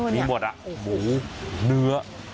มีหมดหมูเนื้อ